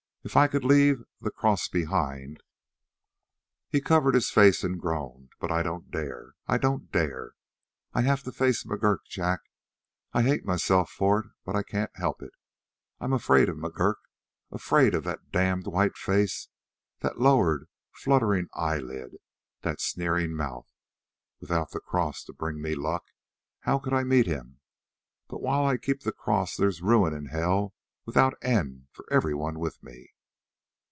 If I could leave the cross behind " He covered his face and groaned: "But I don't dare; I don't dare! I have to face McGurk. Jack, I hate myself for it, but I can't help it. I'm afraid of McGurk, afraid of that damned white face, that lowered, fluttering eyelid, that sneering mouth. Without the cross to bring me luck, how could I meet him? But while I keep the cross there's ruin and hell without end for everyone with me."